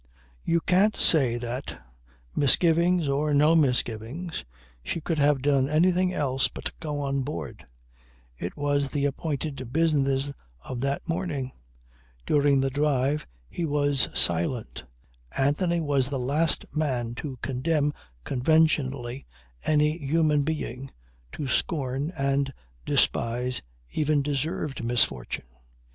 You can't say that (misgivings or no misgivings) she could have done anything else but go on board. It was the appointed business of that morning. During the drive he was silent. Anthony was the last man to condemn conventionally any human being, to scorn and despise even deserved misfortune.